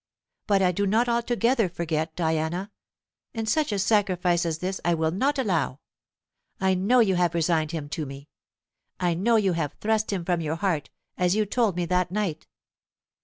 But I do not altogether forget, Diana, and such a sacrifice as this I will not allow. I know you have resigned him to me I know you have thrust him from your heart, as you told me that night.